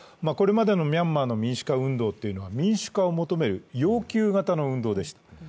これまでのミャンマーの民主化運動というのは民主化を求める要求型の運動でした。